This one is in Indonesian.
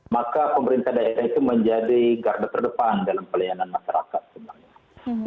maka pemerintah daerah itu menjadi garda terdepan dalam pelayanan masyarakat sebenarnya